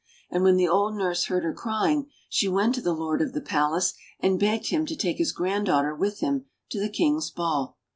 And when the old nurse heard her crying she went to the Lord of the Palace, and begged him to take his granddaughter with him to the King's ball.